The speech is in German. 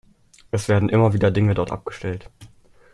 Es werden immer wieder Dinge dort abgestellt.